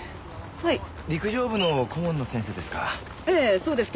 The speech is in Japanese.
陸上部の顧問の先生ですか？